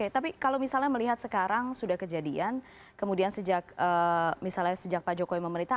tapi kalau melihat sekarang sudah kejadian kemudian sejak pak jokowi memerintah